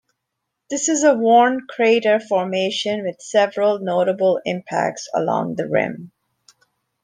This is a worn crater formation with several notable impacts along the rim.